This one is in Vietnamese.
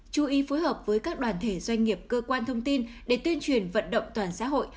chú ý phối hợp với các đoàn thể doanh nghiệp cơ quan thông tin để tuyên truyền vận động toàn xã hội